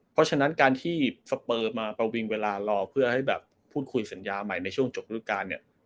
เพราะฉะนั้นการที่สเปอร์มาประวิงเวลารอเพื่อให้แบบพูดคุยสัญญาใหม่ในช่วงจบรูปการณ์เนี่ย